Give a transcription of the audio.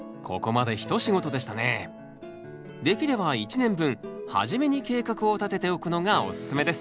できれば１年分初めに計画をたてておくのがおすすめです。